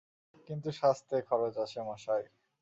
কিন্তু সাজতে খরচ আছে মশায়।